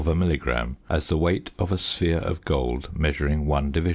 0000616 milligram as the weight of a sphere of gold measuring 1 division.